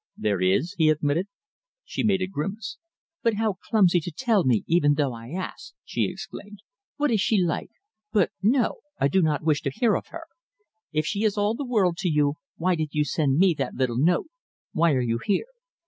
"There is," he admitted. She made a grimace. "But how clumsy to tell me, even though I asked," she exclaimed. "What is she like? ... But no, I do not wish to hear of her! If she is all the world to you, why did you send me that little note? Why are you here?"